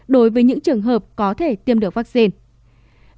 đối với những trường hợp có thể tiêm được vaccine